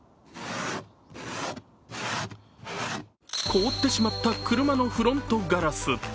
凍ってしまった車のフロントガラス。